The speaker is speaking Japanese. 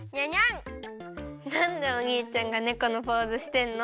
なんでおにいちゃんがねこのポーズしてんの？